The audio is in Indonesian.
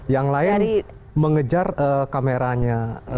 yang lain mengejar kameranya